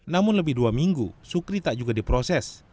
namun lebih dua minggu sukri tak juga diproses